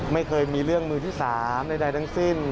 ไม่เคยมีเรื่องมือที่๓ใดทั้งสิ้น